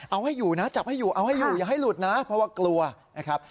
เอาให้อยู่นะจับให้อยู่เอาให้อยู่อย่าให้หลุดนะเพราะว่ากลัวนะครับ